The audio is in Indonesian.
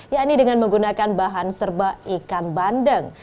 yakni dengan menggunakan bahan serba ikan bandeng